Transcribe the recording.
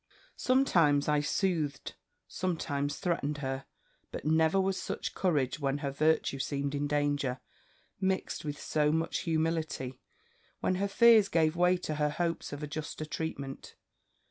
"Sometimes I soothed, sometimes threatened her; but never was such courage, when her virtue seemed in danger, mixed with so much humility, when her fears gave way to her hopes of a juster treatment.